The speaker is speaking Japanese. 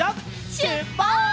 しゅっぱつ！